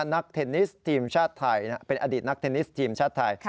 เทนนิสทีมชาติไทยเป็นอดีตนักเทนนิสทีมชาติไทย